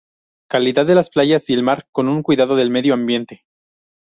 Calidad de las playas y el mar, con un cuidado del medio ambiente.